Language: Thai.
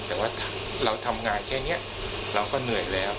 แต่ว่าเราทำงานแค่นี้เราก็เหนื่อยแล้ว